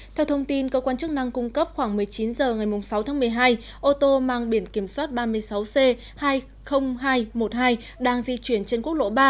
theo thông tin cơ quan chức năng cung cấp khoảng một mươi chín h ngày sáu tháng một mươi hai ô tô mang biển kiểm soát ba mươi sáu c hai mươi nghìn hai trăm một mươi hai đang di chuyển trên quốc lộ ba